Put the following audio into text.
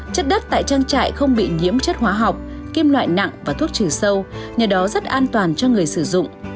chất đất tại trang trại không bị nhiễm chất hóa học kim loại nặng và thuốc trừ sâu nhờ đó rất an toàn cho người sử dụng